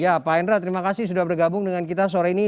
ya pak hendra terima kasih sudah bergabung dengan kita sore ini